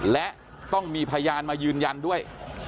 และต้องมีพยานมายืนยันด้วย